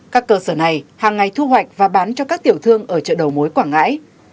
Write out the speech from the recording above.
các cơ sở này hàng ngày thu hoạch và bán cho các tiểu thương ở chợ đầu mối quảng ngãi